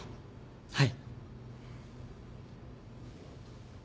はい。